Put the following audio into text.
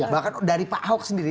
bahkan dari pak ahok sendiri